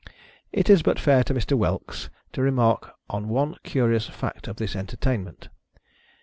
It is but fair to Mr. Whelks to remark on one curious fact in this entertainment.